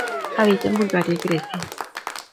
Habita en Bulgaria y Grecia.